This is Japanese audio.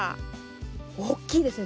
大きいですね